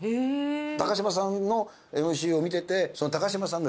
高島さんのＭＣを見てて。